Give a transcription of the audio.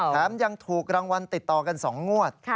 แถมยังถูกรางวัลติดต่อกัน๒งวด